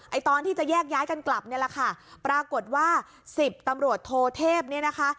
ตอนที่จะแยกย้ายกันกลับเนี่ยแหละค่ะปรากฏว่าสิบตำรวจโทเทพเนี่ยนะคะ